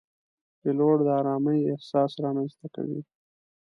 پیلوټ د آرامۍ احساس رامنځته کوي.